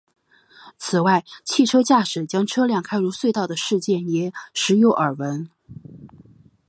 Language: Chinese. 此外汽车驾驶将车辆开入隧道的事件也时有耳闻。